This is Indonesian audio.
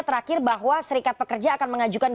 terakhir bahwa serikat pekerja akan mengajukan